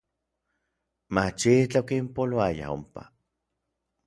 Machitlaj okinpoloaya onpa.